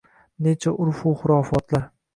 Necha urfu hurofotlar